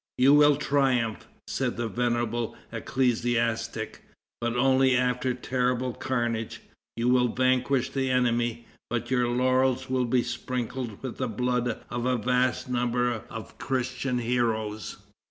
"You will triumph," said the venerable ecclesiastic, "but only after terrible carnage. You will vanquish the enemy, but your laurels will be sprinkled with the blood of a vast number of Christian heroes."